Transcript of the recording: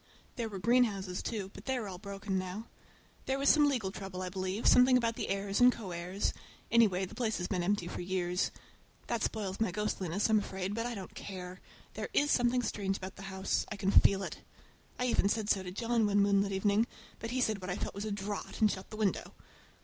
There were greenhouses, too, but they are all broken now. There was some legal trouble, I believe, something about the heirs and co heirs; anyhow, the place has been empty for years. That spoils my ghostliness, I am afraid; but I don't care—there is something strange about the house—I can feel it. I even said so to John one moonlight evening, but he said what I felt was a draught, and shut the window.